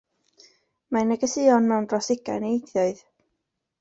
Mae negeseuon mewn dros ugain o ieithoedd.